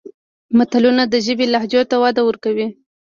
متلونه د ژبې لهجو ته وده ورکوي